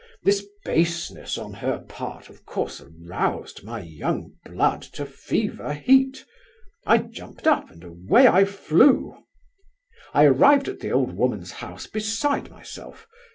"This baseness on her part of course aroused my young blood to fever heat; I jumped up, and away I flew. "I arrived at the old woman's house beside myself.